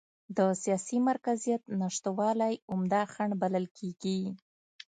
د سیاسي مرکزیت نشتوالی عمده خنډ بلل کېږي.